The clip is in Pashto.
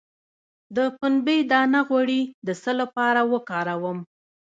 د پنبې دانه غوړي د څه لپاره وکاروم؟